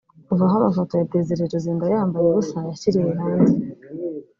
Kuva aho amafoto ya Desire Luzinda yambaye ubusa yashyiriwe hanze